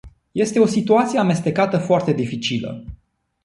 Este o situație amestecată foarte dificilă.